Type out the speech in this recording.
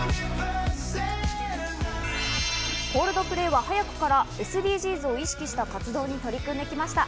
Ｃｏｌｄｐｌａｙは早くからＳＤＧｓを意識した活動に取り組んできました。